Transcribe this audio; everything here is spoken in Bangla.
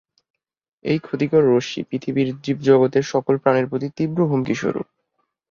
এই ক্ষতিকর রশ্মি পৃথিবীর জীবজগতের সকল প্রাণের প্রতি তীব্র হুমকি স্বরূপ।